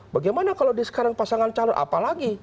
bagaimana kalau di sekarang pasangan calon apalagi